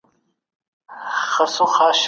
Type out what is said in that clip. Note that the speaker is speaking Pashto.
کوربه هیواد قونسلي خدمات نه ځنډوي.